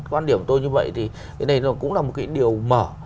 quan điểm tôi như vậy thì cái này nó cũng là một cái điều mở